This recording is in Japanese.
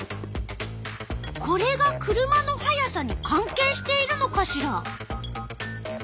これが車の速さに関係しているのかしら。